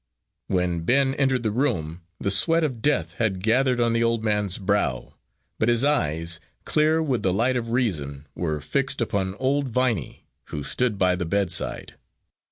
When Ben entered the room, the sweat of death had gathered on the old man's brow, but his eyes, clear with the light of reason, were fixed upon old Viney, who stood by the bedside.